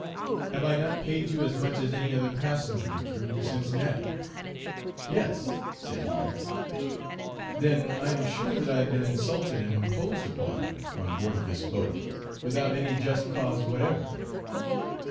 "Have I not paid you as much as any other passenger through to Cincinnati?" "Yes," said he. "Then I am sure that I have been insulted and imposed upon, on board of this boat, without any just cause whatever."